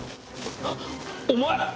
お前！？